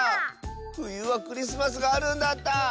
ふゆはクリスマスがあるんだった。